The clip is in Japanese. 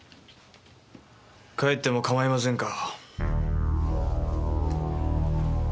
帰っても構いませんか？